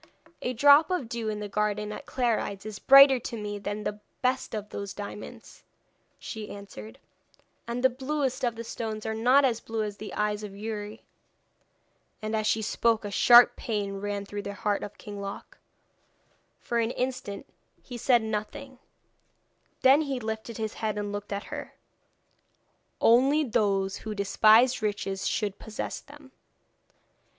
'A drop of dew in the garden at Clarides is brighter to me than the best of those diamonds,' she answered, 'and the bluest of the stones are not as blue as the eyes of Youri.' And as she spoke a sharp pain ran through the heart of King Loc. For an instant he said nothing, then he lifted his head and looked at her. 'Only those who despise riches should possess them.